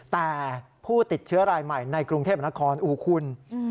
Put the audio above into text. แต่ผู้ติดเชื้อรายใหม่ในกรุงเทพนครอู้คุณ